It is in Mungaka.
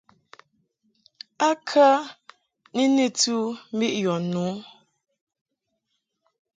A kə ni nɨti u mbiʼ yɔ nu ?